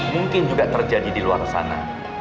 mungkin juga terjadi di luar sana